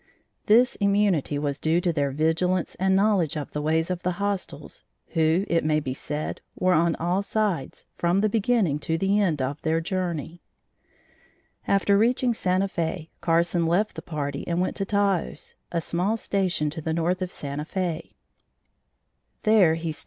This immunity was due to their vigilance and knowledge of the ways of the hostiles who, it may be said, were on all sides, from the beginning to the end of their journey. After reaching Santa Fe, Carson left the party and went to Taos, a small station to the north of Santa Fe.